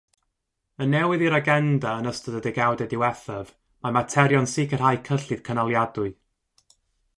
Yn newydd i'r agenda yn ystod y degawdau diwethaf mae materion sicrhau cyllid cynaliadwy.